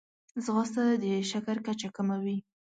ځغاسته د شکر کچه کموي